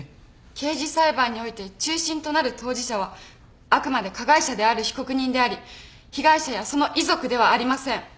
刑事裁判において中心となる当事者はあくまで加害者である被告人であり被害者やその遺族ではありません。